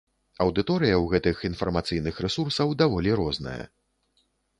Аўдыторыя ў гэтых інфармацыйных рэсурсаў даволі розная.